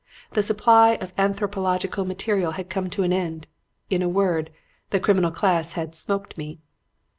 The supply of anthropological material had come to an end. In a word, the criminal class had 'smoked' me.